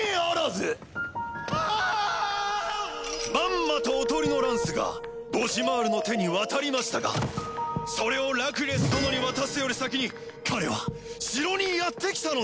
まんまとおとりのランスがボシマールの手に渡りましたがそれをラクレス殿に渡すより先に彼は城にやって来たのです。